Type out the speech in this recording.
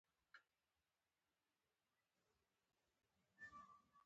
عثمان بن عفان یې نه پیژاند.